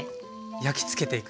焼きつけていく。